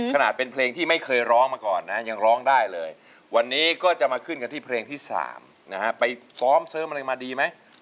ขนาดเป็นเพลงที่ไม่เคยร้องมาก่อนนะยังร้องได้เลยวันนี้ก็จะมาขึ้นกันที่เพลงที่๓นะฮะไปซ้อมเสริมอะไรมาดีไหม